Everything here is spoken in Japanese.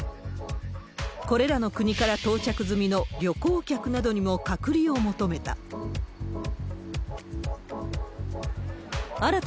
これらの国から到着済みの旅行客などにも隔離を求めた。